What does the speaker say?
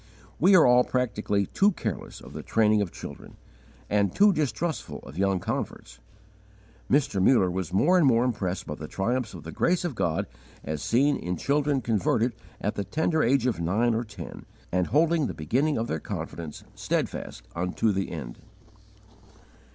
We are all practically too careless of the training of children, and too distrustful of young converts. Mr. Muller was more and more impressed by the triumphs of the grace of God as seen in children converted at the tender age of nine or ten and holding the beginning of their confidence steadfast unto the end.